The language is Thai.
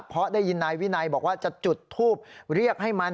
เพราะได้ยินนายวินัยบอกว่าจะจุดทูบเรียกให้มัน